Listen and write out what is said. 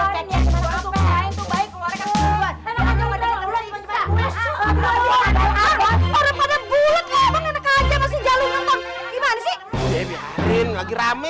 sampai jumpa di video selanjutnya